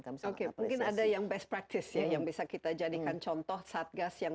kami sangat terpesat sih oke mungkin ada yang best practice yang bisa kita jadikan contoh satgas yang